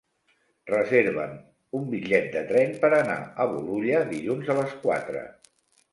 Reserva'm un bitllet de tren per anar a Bolulla dilluns a les quatre.